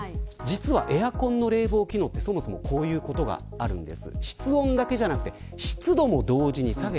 エアコンの冷房機能はこういうことがあるんです。